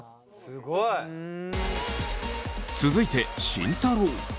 すごい！続いて慎太郎。